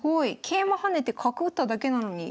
桂馬跳ねて角打っただけなのに。